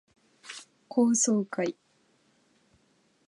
高層階